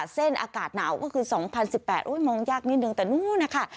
เส้นอากาศหนาวก็คือสองพันสิบแปดอุ๊ยมองยากนิดหนึ่งแต่นู้นนะคะ